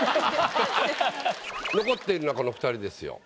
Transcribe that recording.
残っているのはこの二人ですよ。